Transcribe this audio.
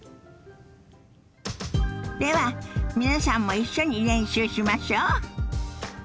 では皆さんも一緒に練習しましょ。